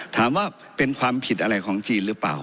ถามว่าเป็นความผิดอะไรของจีนหรือเปล่า